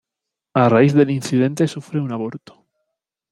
A raíz del incidente sufre un aborto.